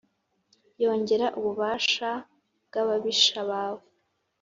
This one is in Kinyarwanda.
yongera ububasha bw’ababisha bawe.